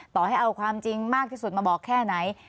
ต่อให้เอาความจริงมากที่สุดมาบอกแค่ไหน